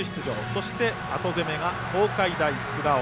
そして、後攻めが東海大菅生。